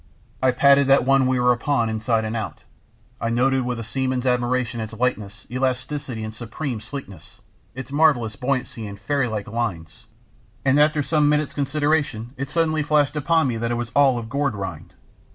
I patted that one we were upon inside and out. I noted with a seaman's admiration its lightness, elasticity, and supreme sleekness, its marvellous buoyancy and fairy like "lines," and after some minutes' consideration it suddenly flashed across me that it was all of gourd rind.